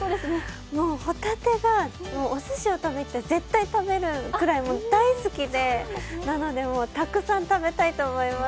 もうホタテが、お寿司を食べると絶対食べるくらい大好きで、たくさん食べたいと思います。